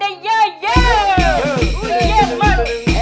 berada ya ya